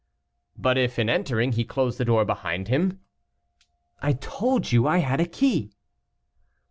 "But if, in entering, he close the door behind him?" "I told you I had a key."